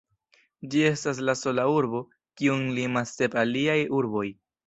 Ĝi estas la sola urbo, kiun limas sep aliaj urboj.